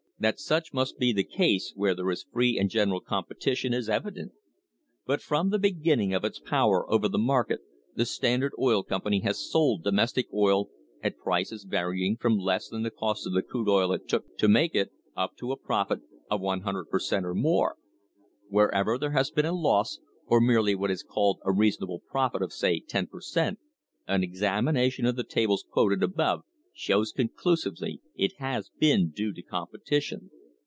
That such must be the case where there is free and general competition is evident. [ 220 ] THE PRICE OF OIL But from the beginning of its power over the market the Standard Oil Company has sold domestic oil at prices vary ing from less than the cost of the crude oil it took to make it up to a profit of 100 per cent, or more. Wherever there has been a loss, or merely what is called a reasonable profit of, say, ten per cent., an examination of the tables quoted above shows conclusively it has been due to competition.